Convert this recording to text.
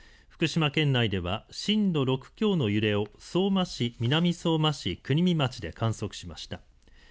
福島県内では震度６強の揺れを相馬市、南相馬市、国見町で観測しました。